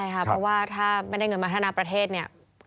ใช่ค่ะเพราะว่าถ้าไม่ได้เงินมาธนาประเทศเนี่ย